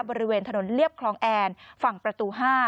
บริเวณถนนเรียบคลองแอนฝั่งประตู๕